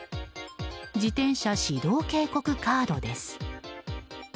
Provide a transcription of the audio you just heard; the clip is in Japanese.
自転車指導警告カードです。